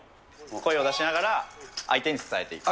声を出しながら、相手に伝えていく。